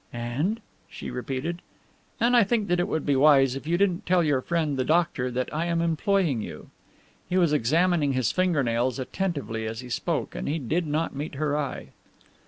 "And?" she repeated. "And I think it would be wise if you didn't tell your friend, the doctor, that I am employing you." He was examining his finger nails attentively as he spoke, and he did not meet her eye.